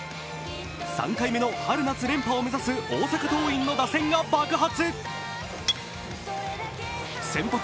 ３回目の春夏連覇を目指す大阪桐蔭の打線が爆発。